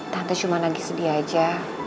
tante cuma lagi sedih aja